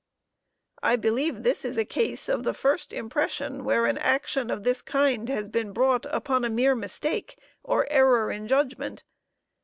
I believe this is a case of the first impression, where an action of this kind had been brought, upon a mere mistake, or error in judgment.